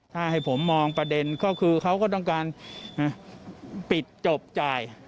ถ้าให้ผมมองประเด็นก็คือเขาก็ต้องการปิดจบจ่าย